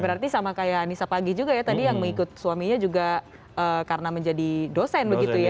berarti sama kayak anissa pagi juga ya tadi yang mengikut suaminya juga karena menjadi dosen begitu ya